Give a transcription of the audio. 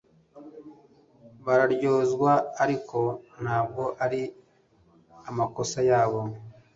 Bararyozwa ariko ntabwo ari amakosa yabo